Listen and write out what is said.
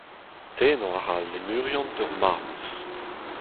Tennañ a ra al lemurian d'ur marmouz.